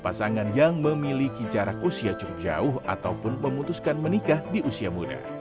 pasangan yang memiliki jarak usia cukup jauh ataupun memutuskan menikah di usia muda